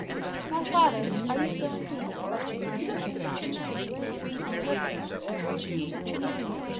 "My father, are you still in peace, resting on him?" "In perfect peace."